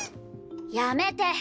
やめて。